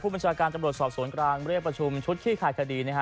บัญชาการตำรวจสอบสวนกลางเรียกประชุมชุดขี้คายคดีนะฮะ